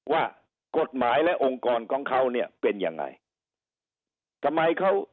ว่ากฎหมายและองค์กรของเขาด้วยเป็นยังไง